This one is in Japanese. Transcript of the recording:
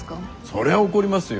そりゃあ怒りますよ。